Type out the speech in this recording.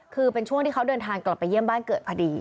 คือเป็นช่วงที่เขาเดินทางกลับไปเยี่ยมบ้านเกิดพอดี